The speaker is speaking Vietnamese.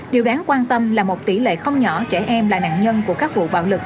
điều đáng quan tâm là một tỷ lệ không nhỏ trẻ em là nạn nhân của các vụ bạo lực